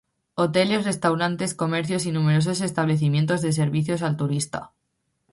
Hoteles, restaurantes, comercios y numerosos establecimientos de servicios al turista.